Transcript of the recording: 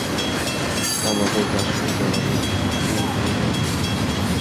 আমাদের দার্শনিকগণ অনেকেই এই মত পোষণ করেন।